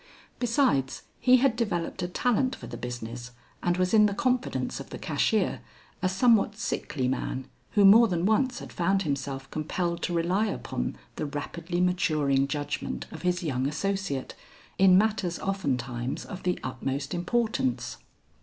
Besides he had developed a talent for the business and was in the confidence of the cashier, a somewhat sickly man who more than once had found himself compelled to rely upon the rapidly maturing judgment of his young associate, in matters oftentimes of the utmost importance.